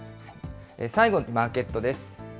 最後にマーケットです。